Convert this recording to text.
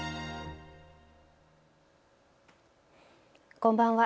こんばんは。